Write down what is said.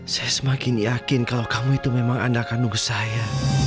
saya semakin yakin kalau kamu itu memang anda akan nunggu saya